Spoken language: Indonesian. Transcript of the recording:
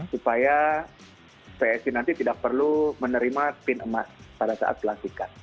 supaya psi nanti tidak perlu menerima pin emas pada saat pelantikan